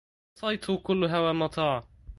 عاصيت كل هوى مطاع